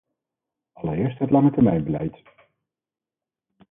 Allereerst het langetermijnbeleid.